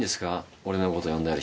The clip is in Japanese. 俺のこと呼んだりして。